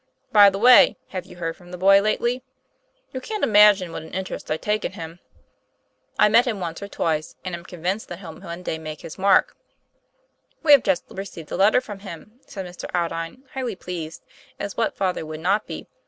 By the way, have you heard from the boy lately? You can't imagine what an interest I take in him. I met him once or twice and am convinced that he'll one day make his mark." 'We have just received a letter from him," said Mr. Aldine, highly pleased as what father would not be?